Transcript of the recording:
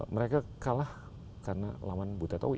mereka kalah karena lawan butetowi